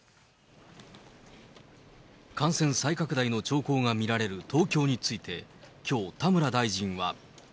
感染再拡大の兆候が見られる東京について、きょう、田村大臣は。